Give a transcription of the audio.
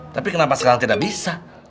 tapi kenapa sekarang tidak bisa